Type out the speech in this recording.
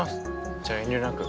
じゃ遠慮なく。